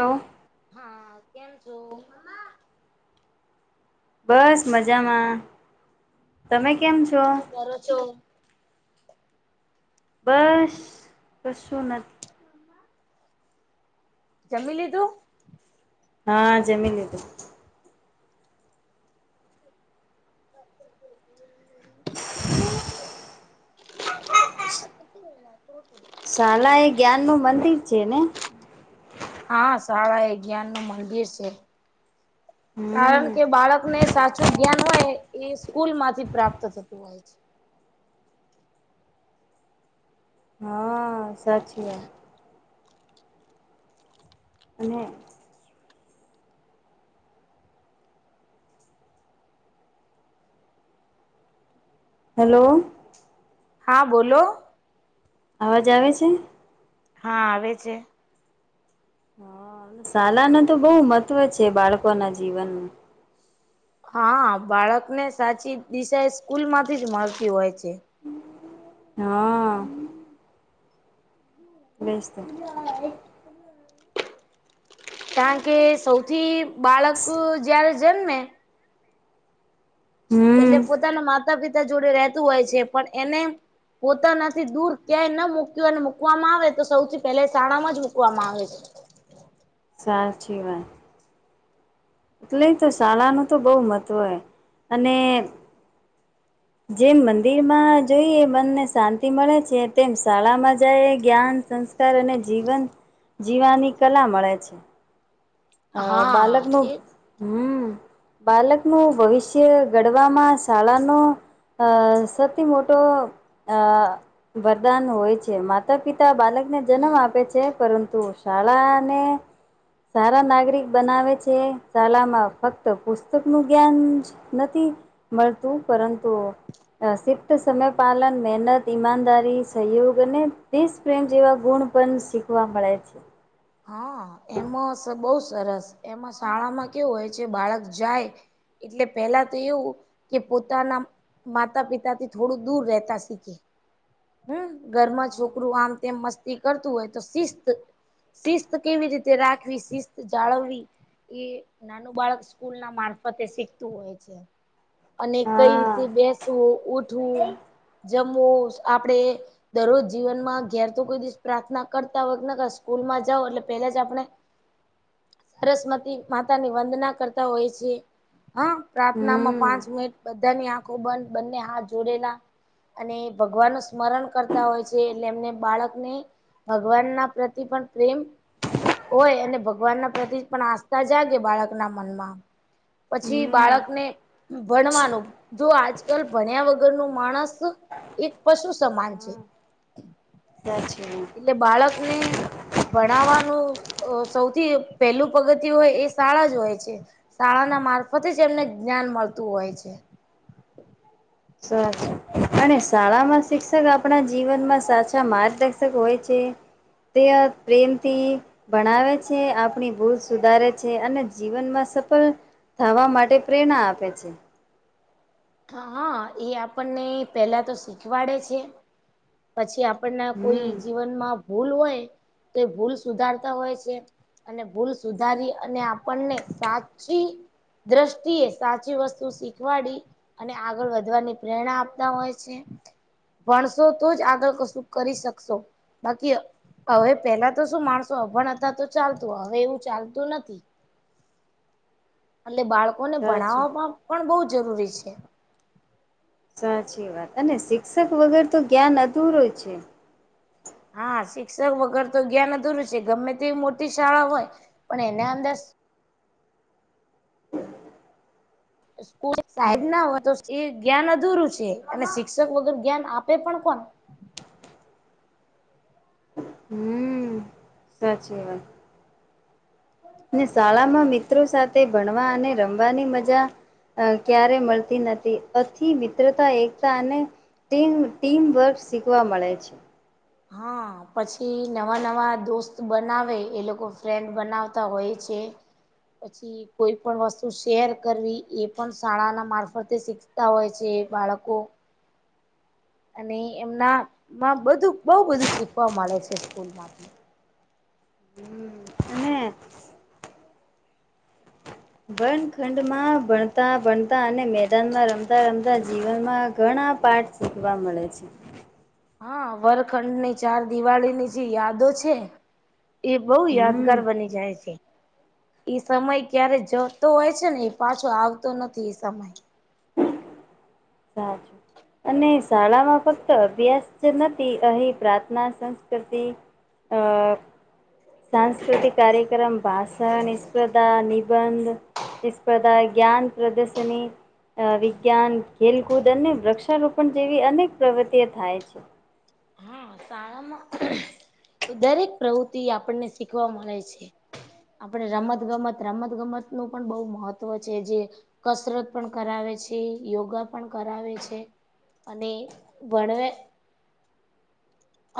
Hello. હા. કેમ છો? બસ મજામાં તમે કેમ છો? કર છો. બસ બસો નથી. જમી લીધું. હા જમી લીધું. [inaudible] [inaudible] શલા એ જ્ઞાન નું મંદિર છે ને હા શાળા એ જ્ઞાન નું મંદિર છે હમ કારણ કે બાળકને સાચું જો જ્ઞાન હોય એ સ્કૂલ માંથી પ્રાપ્ત થતું હોય છે. હા સાચી વાત. અને હેલો. હા બોલો. અવાજ આવે છે? હા આવે છે. હ શાળા ન તો બહુ મહત્વ છે બાળકો ના જીવનનું. હા બાળક ને સાચી દિશા એ સ્કૂલ માંથી જ મળતી હોય છે. હા. બેેશ. કારણ કે સૌથી બાળક જયારે જન્મે હમ એટલે પોતાના માતા પિતા જોડે રહેતું હોય છે પણ એને પોતા નથી દૂર ક્યાંય ન મુૂક્યું અને મૂકવામાં આવે તો સૌથી પહેલા શાળામાં જ મુૂકવામાં આવે છે. સાચીવાત એટલે તો શાળાનું તો બહુ મહત્વ હોય અને જેમ મંદિરમાં જોઈએ મનને શાંતિ મળે છે તેમ શાળામાં જાય જ્ઞાન સંસ્ વિતાર અને જીવન જીવાની કલા મળે છે. અ હા બાલકનું એ હમ. બાળકનું ભવિષ્ય ઘડવામાં શાળાનું. અ સૌથી મોટો. અ વરદાન હોય છે માતા પિતા બાલક ને જન્મ આપે છે પરંતુ શાળાને. સારા નાગરિક બનાવે છે શાલામાં ફક્ત પુસ્તક નું જ્ઞાન જ નથી. મળતું પરંતુ અ સિક્ત સમયપલન મહેનત ઈમાનદારી સહયોગ અને દસ પ્રેમ જેવા ગુણ પણ શીખવા મળે છે. હા એમાં બહુ સરસ એમાં શાળામાં કેવું હોય છે બાળક જાય. એટલે પેલા તો એવું કે પોતાના માતા પિતાથી થોડું દૂર રહેતા સ કે. હમ ઘરમાં છોકરું આમ તેમ મસ્તી કરતું હોય તો શિસ્ત શિસ્ત કેવી રીતે રાખવી શિસ્ત જાળવી એ નાનું બાળક સ્કૂલ ના મારફતે શીખતું હોય છે. અને કઈ હા રીતે બેસવું ઉઠવું જમવું આપડે. દરરોજ જીવનમાં ઘેર તો કોઈ દિવ પ્રાર્થના કરતા હોય સ્કૂલમાં જાઓ એટલે પહેલા જ આપણે હ સરસમતી માતા ની વંદના કરતા હોય છે હા પ્રાર્થનામાં હમ પાંચ મિનિટ બધાની આંખો બંધ બંને હાથ જોડેલા અને ભગવાનનું સ્મરણ કરતા હોય છે એટલે એમને બાળકને ભગવાન ના પ્રતિ પણ પ્રેમ હોય અને ભગવાન ના પ્રતિ જ પણ આસ્થા જાગે બાળકના મનમાં પછી હમ બાળકને ભણવાનું જો આજકાલ ભણ્યા વગર નું માણસ એક પશુ સમાન છે [unintelligible] એટલે બાળક ને ભણાવવાનું સૌથી પહેલું પગતિ હોય એ શાળા જ હોય છે શાળાના મારફતે જ એમને જ્ઞાન મળતું હોય છે. [unintelligible] અને શાળામાં શિક્ષક આપણા જીવનમાં સાચા માર્ગદર્શક હોય છે. ત્યાં પ્રેમથી ભણાવે છે. આપણી ભૂલ સુધારે છે. અને જીવનમાં સફળ થવા માટે પ્રેરણા આપે છે. હા એ આપણને પેલા તો શીખવાડે છે. પછી આપ આપના હમ કોઈ જીવનમાં ભૂલ હોય તો એ ભૂલ સુધારતા હોય છે. અને ભૂલ સુધારી અને આપણને સાચી દ્રષ્ટિએ સાચી વસ્તુ શીખવાડી અને આગળ વધવાની પ્રેરણા આપતા હોય છે. ભણશો તો જ આગળ કશું કરી શકશો. બાકી હવે પેલા તો શું માણસો અભણ હતા તો ચાલતું. હવે એવું ચાલતું નથી. [inaudible] એટલે બાળકોને સાચું ભણાવવામાં પણ બહુ જરૂરી છે. સાચી વાત અને શિક્ષક વગર તો જ્ઞાન અધૂરું છે. હા શિક્ષક વગર તો જ્ઞાન અધૂરું છે. ગમે તે મોટી શાળા હોય પણ એના અંદર [inaudible] કોઈ સાહેબ ના હોય તો એ જ્ઞાન અધૂરું છે. અને શિક્ષક વગર જ્ઞાન આપે પણ કોણ. હમ સાચી વાત. શાળામાં મિત્રો સાથે તે ભણવા અને રમવાની મજા ક્યારે મળતી નથી. અથી મિત્રતા એકતા અને ટીમ ટીમવર્ક શીખવા મળે છે. હા. પછી નવા નવા દોસ્ત બનાવે એ લોકો ફ્રેન્ડ બનાવતા હોય છે. [inaudible] પછી કોઈ પણ વસ્તુ શેર કરવી એ પણ શાળાના મારફતે શીખતા હોય છે બાળકો. અને એમના માં બધું બઉ બધું શીખવા મળે છે સ્કૂલ માંથી. હમ્મ અને વનખંડમાં ભણતા ભણતા અને મેદાનમાં રમતા રમતા જીવનમાં ઘણા પાઠ શીખવા મળે છે. હા વરખંડની ચાર દિવાળીની જે યાદો છે એ બહુ યાદ હમ ઘર બની જાય છે. એ સમય ક્યારે જતો હોય છે ને એ પાછો આવતો નથી એ સમય. સાછું અને શાળામાં ફક્ત અભ્યાસ જ નથી. અહીં પ્રાર્થના સંસ્કૃતિ અ સાંસ્કૃતિક કાર્યક્રમ, ભાષણ, સ્પર્ધા, નિબંધ પ્રતિસ્પર્ધા જ્ઞાન પ્રદર્શની વિજ્ઞાન ખેલકૂદ અને વૃક્ષારોપણ જેવી અનેક પ્રવૃતિઓ થાય છે. હા શાળામાં દરેક પ્રવૃતિ આપણને શીખવા મળે છે. આપડે રમત ગમત રમત ગમત નું પણ બહુ મહત્વ છે. જે કસરત પણ કરાવે છે યોગા પણ કરાવે છે. અને વણવે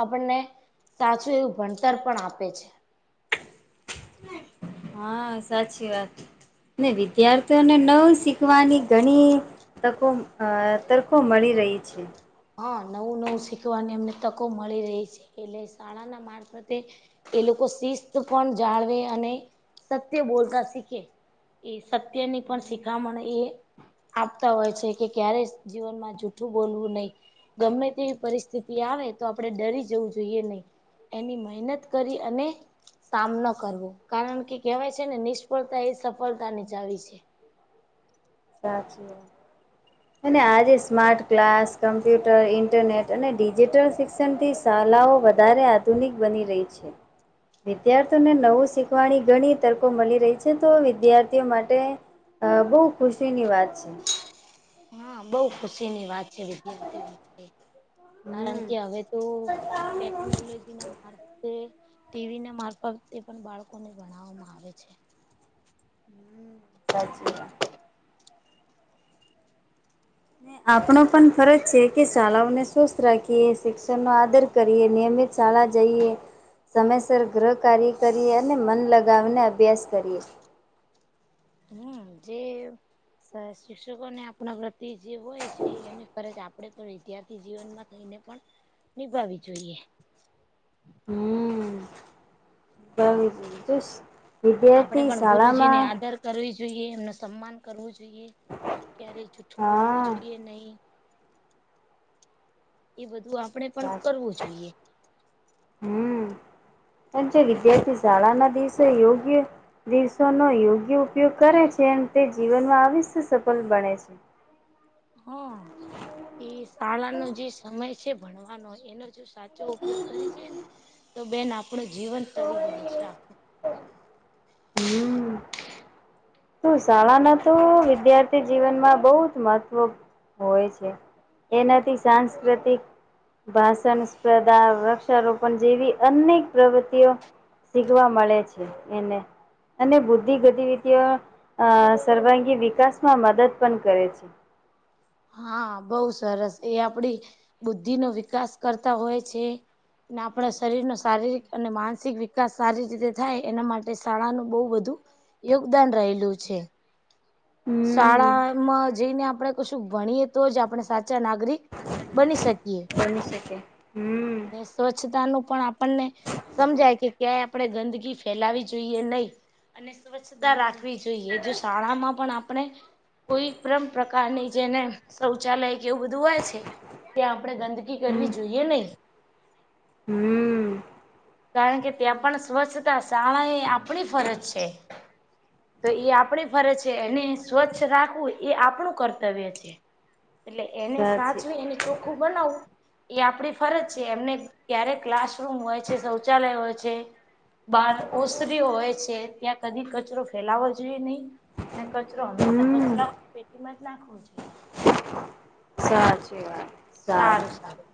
આપણને સાચું એવું ભણતર પણ આપે છે. હા સાચી વાત ને વિદ્યાર્થીઓને નવું શીખવાની ઘણી તકો તરકો મળી રહી છે. હા નવું નવું શીખવાની એમને તકો મળી રહી છે એટલે શાળાના મા પ્રતે એ લોકો શિસ્ત પણ જાળવે અને સત્ય બોલતા શીખે એ સત્યની પણ શિખામણ એ આપતા હોય છે કે ક્યારેય જીવનમાં જૂઠું બોલવું નહી ગમે તેવી પરિસ્થિતિ આવે તો આપડે ડરી જવું જોઈએ નહી એની મહેનત કરી અને સામનો કરવો કારણ કે કહેવાય છે ને નિષ્ફળતા એ સફળતા ની ચાવ છે સાચી વાત અને આજે સ્માર્ટ ક્લાસ કમ્પ્યુટર ઇન્ટરનેટ અને ડિજિટલ શિક્ષણ થી શાલાઓ વધારે આધુનિક બની રહી છે વિદ્યાર્થીઓને નવું શીખવાની ઘણી તર્કો મળી રહી છે તો વિદ્યાર્થીઓ માટે અ બોહ ખુશી ની વાત છે હા બોહ ખુશીની વાત છે વિદ્યાર્થીઓ માટે કારણ હમ કે હવે તો ટેકનોલોજી ના મા તે ટીવી ના મારફત તે પણ બાળકોને ભણાવવામાં આવે છે સાચી વાત આપણો પણ ફરજ છે કે શાળાઓને સ્વસ્થ રાખીયે શિક્ષણનો આદર કરીએ નિયમિત શાળા જઈએ સમયસર ગ્રહ કાર્ય કરીએ અને મન લગાવીને અભ્યાસ કરીએ હમ જે શિક્ષકો ને આપણા પ્રતિ જે હોય છે એની ફરજ આપ આપણે પણ વિદ્યાર્થી જીવનમાં થઈને પણ નિભાવી જોઈએ હમ બ [unintelligible] આપણે વિદ્યાર્થી પણ ગુરુજીને શાળામાં આદર કરવી જોઈએ એમનું સન્માન કરવું જોઈએ ક્યારે જુઠ્ઠું બોલવું હા જોઈએ નહી એ બધું આપણેે પણ કરવું જોઈએ હમ્મ પણ જે વિદ્યાર્થી શાળાના દિવસે યોગ્ય દિવસોનોો યોગ્ય ઉપયોગ કરે છે એમ તે જીવનમાં અવિસ્ય સફળ બને છે હ એ શાળાનો જે સમય છે ભણવાનો એનો જો સાચો ઉપયોગ કરી છેને તો બેન આપણું જીવન તરી જાય છે આખુ હમ્મ તો શાળાના તો વિદ્યાર્થી જીવનમાં બહુ જ મહત્વ હોય છે એનાથી સાંસ્કૃતિક ભાષણ સ્પર્ધા વૃક્ષારોપણ જેવી અનેક પ્રવૃતિઓ શીખવા મળે છે એને અને બુદ્ધિ ગતિવિધિઓ અ સર્વાંગી વિકાસમાં મદદ પણ કરે છે હા બોહ સરસ એ આપડી બુદ્ધિ નો વિકાસ કરતા હોય છે અને આપણા શરીર નો શારીરિક અને માનસિક વિકાસ સારી રીતે થાય એના માટે શાળાનું બોહ બધું યોગદાન રહેલું છે હમ શાળામાં જઈને આપણેે કશું ભણીએ તો જ આપણે સાચા નાગરિક બની શકીએ બની શકે. હમ અને સ્વચ્છતા નું પણ આપણને સમજાય કે ક્યાંય આપણે ગંદગી ફેલાવી જોઈએ નહી. અને સ્વચ્છતા હમ રાખવી જોઈએ જો શાળામાં પણ. આપણે કોઈ પણ પ્રકારની જેને શૌચાલય કે એવું બધું હોય છે ત્યા આપણે ગંદકી હમ કરવી જોઈએ નહી. હમ કારણ કે ત્યાં પણ સ્વચ્છતા શાળા આપણી ફરજ છે. તો એ આપણી ફરજ છે એને સ્વચ્છ રાખવું એ આપણું કર્તવ્ય છે. [inaudible] એટલે એને સાચી સાચવી અને ચોખ્ખું બનાવવું. એ આપડી ફરજ છે એમને ક્યારે ક્લાસરૂમ હોય છે, શૌચાલય હોય છે. બહાર ઓસરી હોય છે ત્યાં કદી કચરો ફેલાવો જોઈએ નહી. અને કચરો હંમેશા હમ કચરા પેટીમાં જ નાખવો જોઈએ. સાચી વાત. સારું સારું